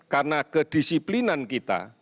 karena kedisiplinan kita